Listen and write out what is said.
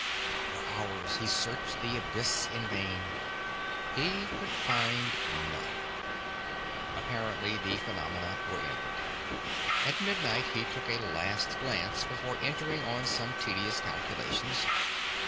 For hours he searched the abyss in vain. He could find none. Apparently the phenomena were ended. At midnight he took a last glance before entering on some tedious calculations.